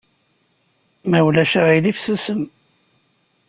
Ma ulac aɣilif susem!